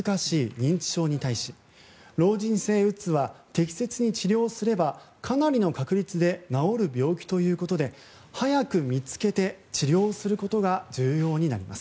認知症に対し老人性うつは適切に治療すればかなりの確率で治る病気ということで早く見つけて、治療することが重要になります。